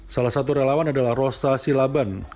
salah satu relawan adalah rostasi laban